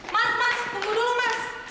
maaf mas tunggu dulu mas